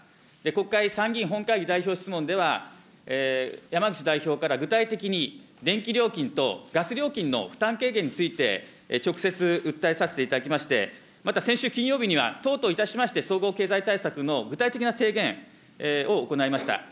国会、参議院本会議代表質問では、山口代表から具体的に電気料金とガス料金の負担軽減について、直接訴えさせていただきまして、また先週金曜日には、党といたしまして、総合経済対策の具体的な提言を行いました。